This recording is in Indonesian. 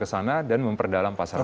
bersama dengan produk tiongkok gitu ya